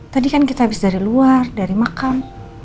tadi kan kita habis dari luar dari makan